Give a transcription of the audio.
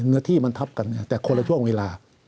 เนื้อที่มันทับกันแต่คนละช่วงเวลา